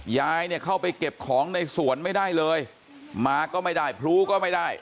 ยายเนี่ยเข้าไปเก็บของในสวนไม่ได้เลยมาก็ไม่ได้พลูก็ไม่ได้